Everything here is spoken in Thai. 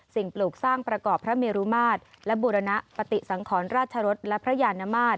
ปลูกสร้างประกอบพระเมรุมาตรและบูรณปฏิสังขรราชรสและพระยานมาตร